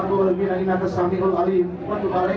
tujuh pinam jalan yang benar ya allah jalan yang koridori